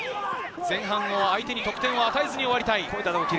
前半は相手に得点を与えずに終わりたい。